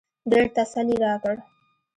ډېر تسل يې راکړ.